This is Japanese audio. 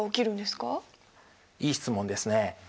いい質問ですね。